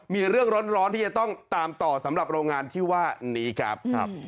มีเรื่องร้อนที่จะต้องตามต่อสำหรับโรงงานที่ว่านี้ครับ